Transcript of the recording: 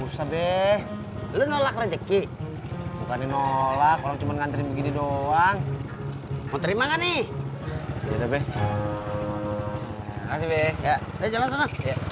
sampai jumpa di video selanjutnya